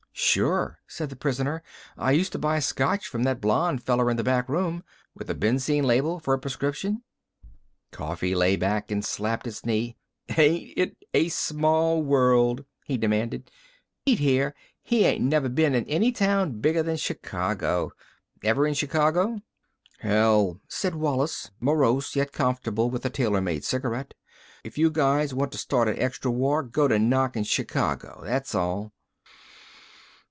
"Sure," said the prisoner. "I used to buy Scotch from that blond feller in the back room. With a benzine label for a prescription?" Coffee lay back and slapped his knee. "Ain't it a small world?" he demanded. "Pete, here, he ain't never been in any town bigger than Chicago. Ever in Chicago?" "Hell," said Wallis, morose yet comfortable with a tailor made cigarette. "If you guys want to start a extra war, go to knockin' Chicago. That's all."